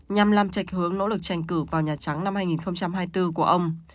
nhằm làm trạch hướng nỗ lực tranh cử vào nhà trắng năm hai nghìn hai mươi bốn của ông